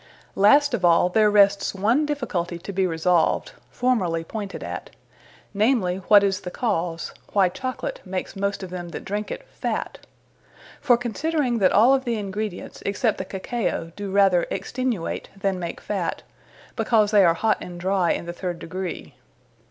Last of all, there rests one difficulty to be resolved, formerly poynted at; namely, what is the cause, why Chocolate makes most of them that drinke it, fat. For considering that all of the Ingredients, except the Cacao, do rather extenuate, than make fat, because they are hot and dry in the third degree.